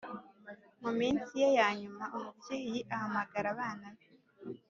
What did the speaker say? mu minsi ye ya nyuma umubyeyi ahamagara abana be